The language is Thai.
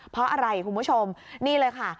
เพราะอะไรคุณผู้ชมนี่เลยค่ะ